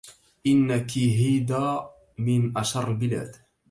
إن كيهيدى من أشر البلاد